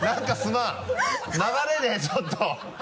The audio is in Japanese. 流れでちょっと